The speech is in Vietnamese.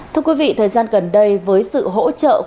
thưa quý vị thời gian gần đây với sự hỗ trợ